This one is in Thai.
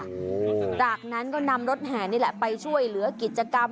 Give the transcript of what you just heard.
โอ้โหจากนั้นก็นำรถแห่นี่แหละไปช่วยเหลือกิจกรรม